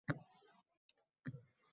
Bayt sharhlaymiz, ruhi shodlanar